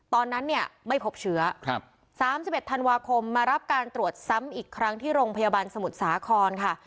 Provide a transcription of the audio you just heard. ตอนนั้นเนี่ยไม่พบเชื้อ๓๑ธันวาคมมารับการตรวจซ้ำอีกครั้งที่โรงพยาบาลสมุทรสาครค่ะ